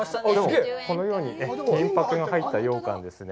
このように、金箔の入った羊羹ですね。